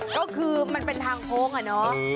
ก็คือมันเป็นทางโค้งอะเนาะ